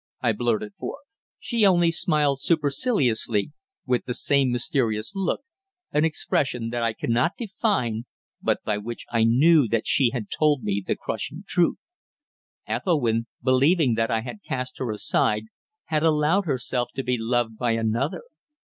I blurted forth. She only smiled superciliously, with the same mysterious look an expression that I cannot define, but by which I knew that she had told me the crushing truth. Ethelwynn, believing that I had cast her aside, had allowed herself to be loved by another!